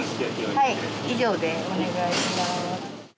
はい以上でお願いします。